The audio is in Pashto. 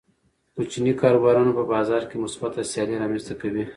کوچني کاروبارونه په بازار کې مثبته سیالي رامنځته کوي.